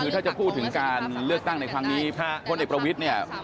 คือถ้าจะพูดถึงการเลือกตั้งในครั้งนี้ถ้าพลเอกประวิทย์เนี่ย